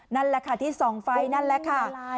นั่นแหละค่ะที่ส่องไฟนั่นแหละค่ะ